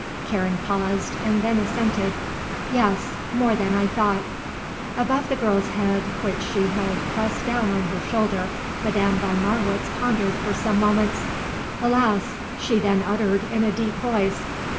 Karen paused, and then assented: "Yes; more than I thought." Above the girl's head, which she held pressed down on her shoulder, Madame von Marwitz pondered for some moments. "Alas!" she then uttered in a deep voice.